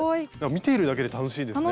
見ているだけで楽しいですね